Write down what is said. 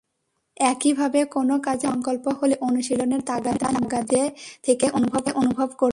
একইভাবে কোনো কাজে দৃঢ় সংকল্প হলে অনুশীলনের তাগাদা নিজে থেকেই অনুভব করবেন।